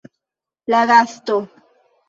La gasto.